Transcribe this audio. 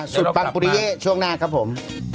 ปังปุริเย่ช่วงหน้าครับผม